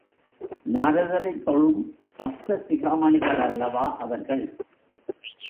நாரதரைத் தொழும் பக்த சிகாமணிகளல்லவா அவர்கள்!